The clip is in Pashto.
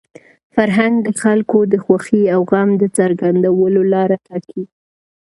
فرهنګ د خلکو د خوښۍ او غم د څرګندولو لاره ټاکي.